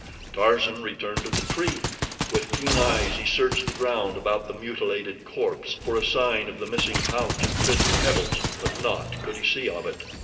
Tarzan returned to the tree. With keen eyes he searched the ground about the mutilated corpse for a sign of the missing pouch of pretty pebbles; but naught could he see of it.